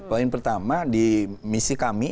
poin pertama di misi kami